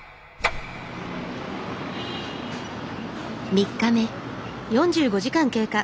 ３日目。